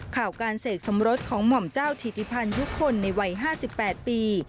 ข่าวการเสกสมรสของหม่อมเจ้าถิติพันยุคลในวัย๕๘ปี